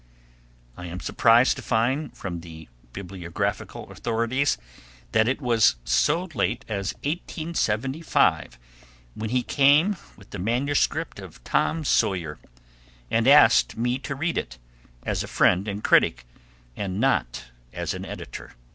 I am surprised to find from the bibliographical authorities that it was so late as 1875 when he came with the manuscript of Tom Sawyer, and asked me to read it, as a friend and critic, and not as an editor.